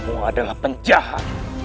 mereka semua adalah penjahat